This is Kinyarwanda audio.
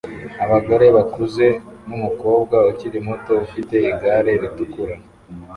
Abagore bakuze numukobwa ukiri muto ufite igare ritukura